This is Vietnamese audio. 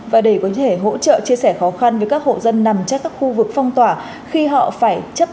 và để có thể hỗ trợ chia sẻ khó khăn với các hộ dân nằm chắc các khu vực phong tỏa khi họ phải chấp